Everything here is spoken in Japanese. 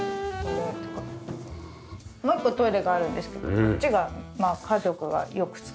もう１個トイレがあるんですけどこっちが家族がよく使う方になります。